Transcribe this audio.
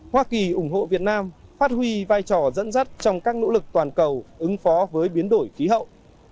hoa kỳ ủng hộ việt nam phát huy vai trò dẫn dắt trong các nỗ lực toàn cầu ứng phó với biến đổi khí hậu